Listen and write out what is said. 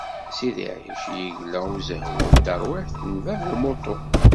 Sidi Ɛic, yegla usehwu s terwiḥt n bab n umuṭu.